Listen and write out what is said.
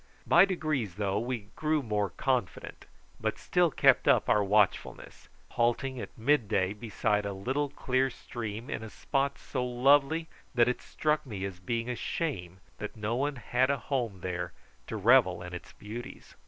By degrees, though, we grew more confident, but still kept up our watchfulness, halting at mid day beside a little clear stream in a spot so lovely that it struck me as being a shame that no one had a home there to revel in its beauties.